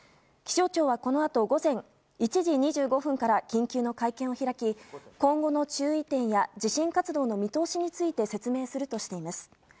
気象庁はこのあと午前１時２５分から緊急の会見を開き今後の注意点や地震活動の見通しについて説明するとしています。